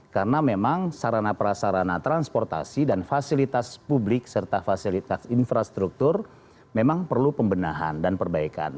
karena memang sarana prasarana transportasi dan fasilitas publik serta fasilitas infrastruktur memang perlu pembenahan dan perbaikan